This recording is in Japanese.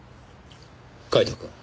カイトくん。